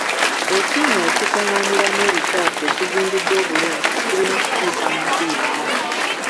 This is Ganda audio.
Ekinnya ekikungaaniamu ebikyafu ekizimbiddwa obulungi tekirina kutiisa muntu yenna.